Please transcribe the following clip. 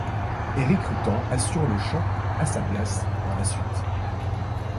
Erik Rutan assure le chant à sa place par la suite.